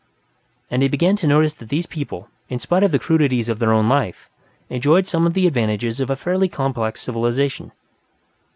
And he began to notice that these people, in spite of the crudities of their own life, enjoyed some of the advantages of a fairly complex civilization.